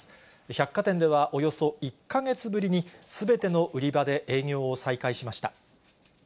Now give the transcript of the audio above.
百貨店ではおよそ１か月ぶりに、すべての売り場で営業を再開しました。